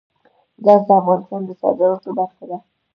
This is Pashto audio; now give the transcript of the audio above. ګاز د افغانستان د صادراتو برخه ده.